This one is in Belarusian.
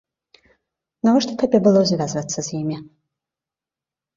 Навошта табе было звязвацца з імі?